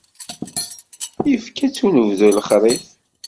Yefka-tt unebdu i lexrif.